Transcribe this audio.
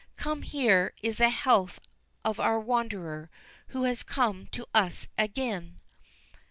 —Come, here is a health to our wanderer, who has come to us again."